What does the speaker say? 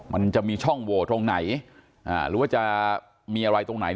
มันจะมีช่องโหวตตรงไหนหรือว่าจะมีอะไรตรงไหน